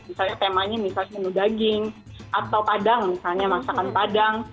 misalnya temanya misalnya menu daging atau padang misalnya masakan padang